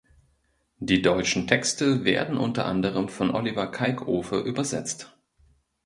Die deutschen Texte werden unter anderen von Oliver Kalkofe übersetzt.